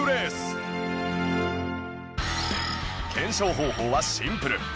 検証方法はシンプル